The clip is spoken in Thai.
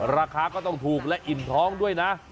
ราคาก็ต้องถูกและอิ่มท้องด้วยนะ